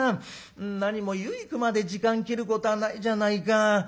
何も湯行くまで時間切ることはないじゃないか。